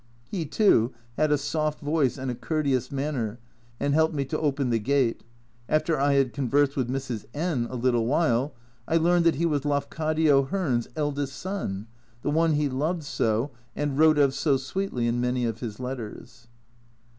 He too had a soft voice and a courteous manner, and helped me to open the gate. After I had conversed with Mrs. N a little while, I learned that he was Lafcadio Hearn's eldest son, the one he loved so, and wrote of so sweetly in many of his letters.